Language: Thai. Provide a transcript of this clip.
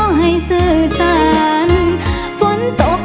ฝนตกในเมื่อเมืองจะกลับซึ้งที่แก้ไหล